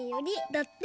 だって。